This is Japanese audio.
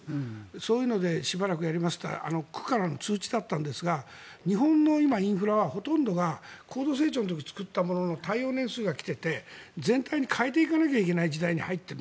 そういうのでしばらくやりますと区からの通知だったんですが日本のインフラはほとんどが高度成長の時に作ったもので耐用年数が来ていて全体に変えていかなきゃいけない時代に入ってきている。